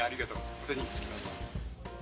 それに尽きます。